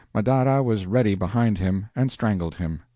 Madara was ready behind him, and strangled him.